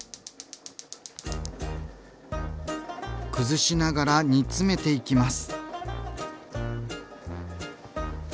崩しながら煮詰めていきます。